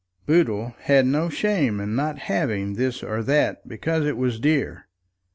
Boodle had no shame in not having this or that because it was dear.